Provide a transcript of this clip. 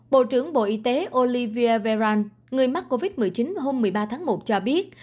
bộ trưởng bộ y tế olivier véran người mắc covid một mươi chín hôm một mươi ba tháng một cho biết